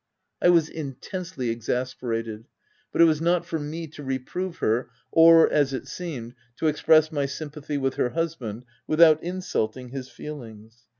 I was intensely exasperated ; but it was not for me to reprove her, or, as it seemed, to express my sympathy with her husband without insult ing his feelings.